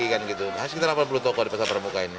hasilnya delapan puluh toko di pasar pramuka ini